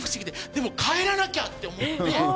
でも、帰らなきゃって思って。